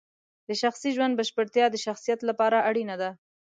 د شخصي ژوند بشپړتیا د شخصیت لپاره اړینه ده.